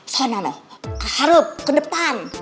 sana noh keharap ke depan